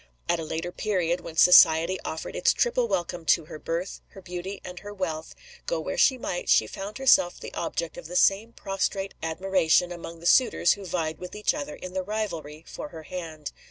At a later period, when society offered its triple welcome to her birth, her beauty, and her wealth go where she might, she found herself the object of the same prostrate admiration among the suitors who vied with each other in the rivalry for her hand.